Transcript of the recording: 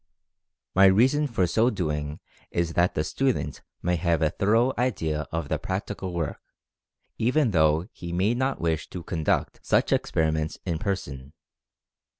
My reason for so doing is that the student may have a thorough idea of the practical work, even though he may not wish to conduct such experiments in person.